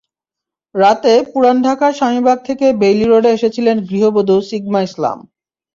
রাতে পুরান ঢাকার স্বামীবাগ থেকে বেইলি রোডে এসেছিলেন গৃহবধূ সিগমা ইসলাম।